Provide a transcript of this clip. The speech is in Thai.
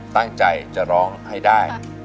ตั้งใจจะร้องให้ได้